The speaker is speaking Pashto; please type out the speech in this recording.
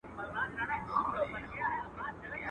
مېړه چي مېړه وي، لور ئې چاړه وي.